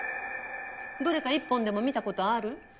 どれか一本でも見たことある？